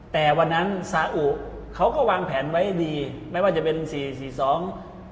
แต่วันนั้นซาอุเขาก็วางแผนไว้ดีไม่ว่าจะเป็นสี่สี่สอง